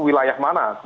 itu wilayah mana